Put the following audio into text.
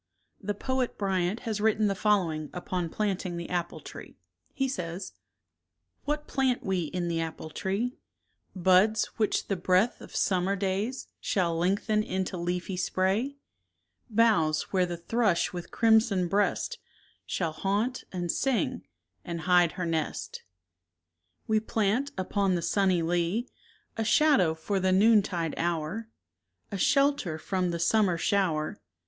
The poet Bryant has written the following upon planting the apple tree. He says: What plant we in the apple tree? Buds which the breath of summer days Shall lengthen into leafy spray; Boughs where the thrush with crimson breast Shall haunt, and sing, and hide her nest; 26 We plant, upon the sunny lea, A shadow for the noontide hour, A shelter from the summer shower.